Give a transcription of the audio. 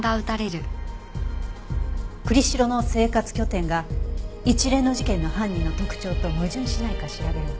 栗城の生活拠点が一連の事件の犯人の特徴と矛盾しないか調べるの。